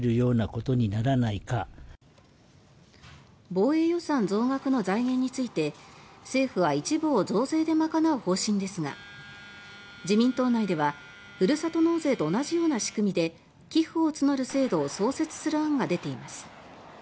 防衛予算増額の財源について政府は一部を増税で賄う方針ですが自民党内では、ふるさと納税と同じような仕組みで寄付を募る制度を創設する案が出ています。